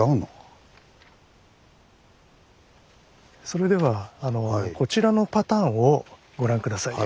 それではこちらのパターンをご覧下さい。